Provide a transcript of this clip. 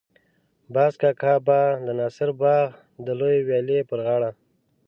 باز کاکا به د ناصر باغ د لویې ويالې پر غاړه.